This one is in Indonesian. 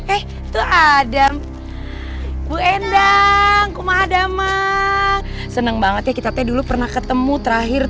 eh tuh adam bu endang kuma adamma senang banget ya kita teh dulu pernah ketemu terakhir